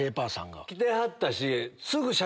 来てはったし。